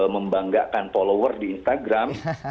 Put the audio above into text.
membanggakan follower di instagram